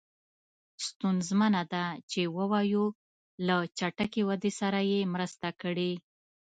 ستونزمنه ده چې ووایو له چټکې ودې سره یې مرسته کړې.